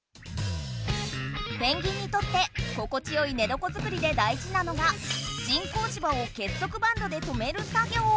ペンギンにとって心地よいねどこ作りでだいじなのが人工芝を結束バンドでとめる作業。